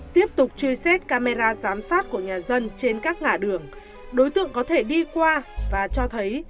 tiếp tục truy xét camera giám sát của nhà dân trên các ngã đường đối tượng có thể đi qua và cho thấy